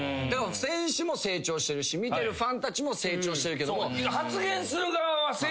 選手も成長してるし見てるファンたちも成長してるけど。